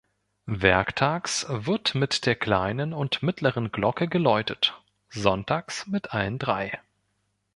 Werktags wird mit der kleinen und mittleren Glocke geläutet, sonntags mit allen drei.